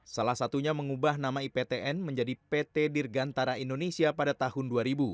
salah satunya mengubah nama iptn menjadi pt dirgantara indonesia pada tahun dua ribu